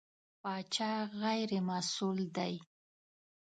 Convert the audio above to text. پاچا غېر مسوول دی.